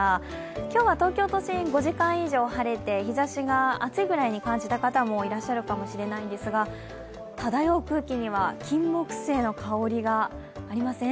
今日は東京都心５時間以上晴れて日ざしが暑いくらいに感じた方がいらっしゃるかもしれないですが漂う空気には金もくせいの香りがありません？